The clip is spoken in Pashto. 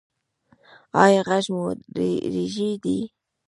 ایا غږ مو ریږدي؟